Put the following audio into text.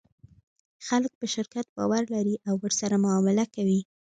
خلک په شرکت باور لري او ورسره معامله کوي.